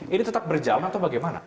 ini tetap berjalan atau bagaimana